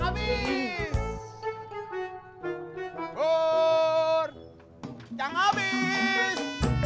bur jangan habis